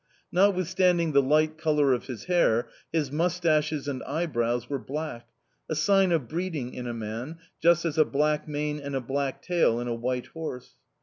Notwithstanding the light colour of his hair, his moustaches and eyebrows were black a sign of breeding in a man, just as a black mane and a black tail in a white horse.